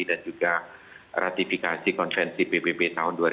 dan juga ratifikasi konvensi ppp tahun dua ribu delapan